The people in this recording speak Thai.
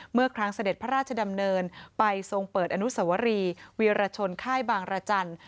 เมื่อครั้งเสด็จพระราชดำเนินไปทรงเปิดอนุสวรีวีรชนค่ายบางรจันทร์